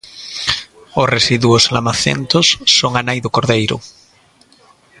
Os residuos lamacentos son a nai do cordeiro.